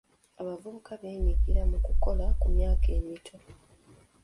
Abavubuka beenyigira mu kukola ku myaka emito.